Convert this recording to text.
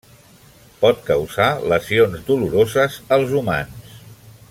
Pot causar lesions doloroses als humans.